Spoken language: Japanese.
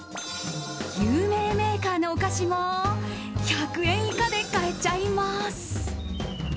有名メーカーのお菓子も１００円以下で買えちゃいます。